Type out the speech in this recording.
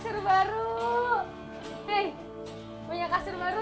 siapa itu yang punya kasur baru